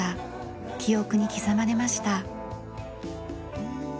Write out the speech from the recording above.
記憶に刻まれました。